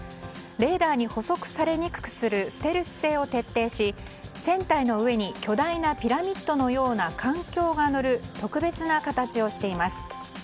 レーダーに捕捉されにくくするステルス性を徹底し船体の上に巨大なピラミッドのような艦橋が乗る特別な形をしています。